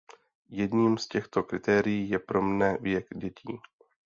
Jedním z těchto kritérií je pro mne věk dětí.